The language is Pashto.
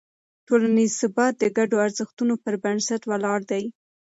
ټولنیز ثبات د ګډو ارزښتونو پر بنسټ ولاړ دی.